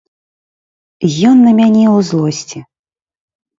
Ён на мяне ў злосці.